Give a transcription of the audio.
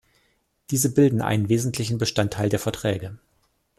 Diese bilden einen wesentlichen Bestandteil der Verträge.